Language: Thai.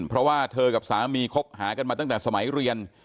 เพราะว่าเธอกับสามีคบหากันมาตั้งแต่สมัยเรียน